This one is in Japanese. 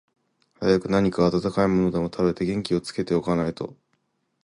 早く何か暖かいものでも食べて、元気をつけて置かないと、